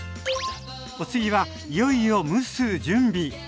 お次はいよいよ蒸す準備。